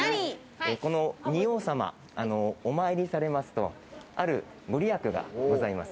この仁王様、お参りされますと、ある御利益がございます。